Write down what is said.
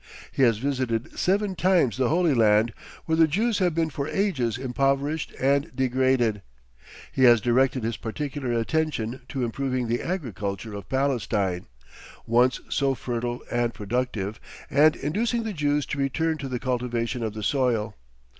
He has visited seven times the Holy Land, where the Jews have been for ages impoverished and degraded. He has directed his particular attention to improving the agriculture of Palestine, once so fertile and productive, and inducing the Jews to return to the cultivation of the soil.